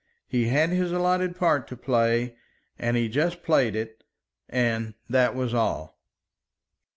He had his allotted part to play, and he just played it; and that was all.